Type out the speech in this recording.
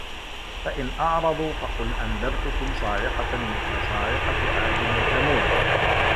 فَإِن أَعرَضوا فَقُل أَنذَرتُكُم صاعِقَةً مِثلَ صاعِقَةِ عادٍ وَثَمودَ